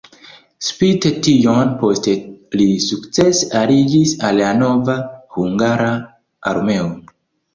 Spite tion poste li sukcese aliĝis al la nova hungara armeo.